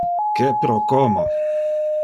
Que pro como.